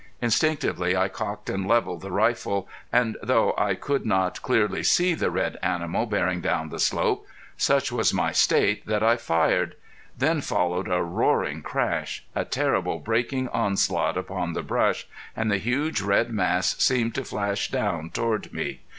Instinctively I cocked and leveled the rifle, and though I could not clearly see the red animal bearing down the slope, such was my state that I fired. Then followed a roaring crash a terrible breaking onslaught upon the brush and the huge red mass seemed to flash down toward me.